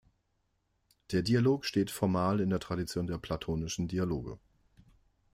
Der Dialog steht formal in der Tradition der platonischen Dialoge.